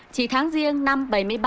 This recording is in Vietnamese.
chỉ tháng riêng năm bảy mươi bảy